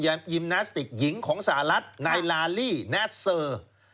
ยิมนาสติกหญิงของสหรัฐนายลาลี่แนทเซอร์